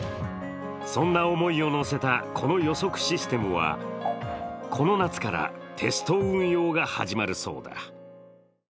そんな思いを乗せたこの予測システムはこの夏から、テスト運用が始まるそうだ。